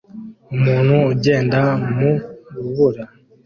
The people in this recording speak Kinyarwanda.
Umuntu ugenda mu rubura